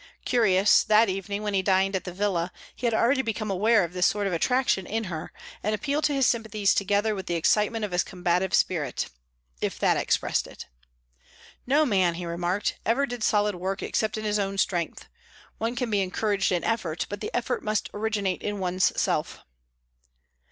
Curious; that evening when he dined at the villa, he had already become aware of this sort of attraction in her, an appeal to his sympathies together with the excitement of his combative spirit if that expressed it. "No man," he remarked, "ever did solid work except in his own strength. One can be encouraged in effort, but the effort must originate in one's self."